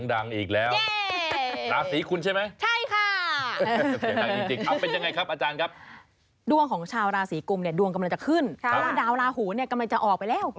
แถมมีโอกาสจะได้เลื่อนขั้นเลื่อนตำแหน่งอีกด้วย